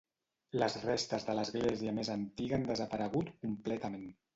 Les restes de l'església més antiga han desaparegut completament.